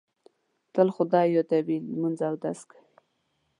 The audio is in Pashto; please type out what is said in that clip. تل خدای یادوي، لمونځ اودس کوي.